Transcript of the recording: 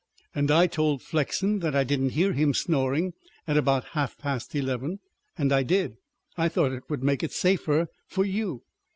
"And I told Flexen that I didn't hear him snoring at about half past eleven, and I did. I thought it would make it safer for you."